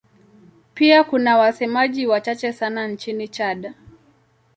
Pia kuna wasemaji wachache sana nchini Chad.